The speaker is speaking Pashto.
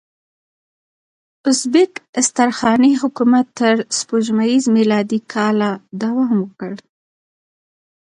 ازبک استرخاني حکومت تر سپوږمیز میلادي کاله دوام وکړ.